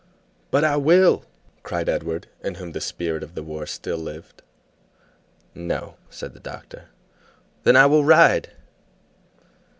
"But I will!" cried Edward, in whom the spirit of war still lived. "No," said the doctor. "Then I will ride."